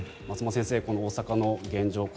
松本先生、この大阪の現状